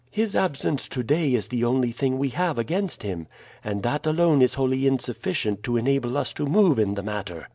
His absence to day is the only thing we have against him, and that alone is wholly insufficient to enable us to move in the matter.